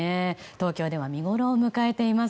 東京では見ごろを迎えています。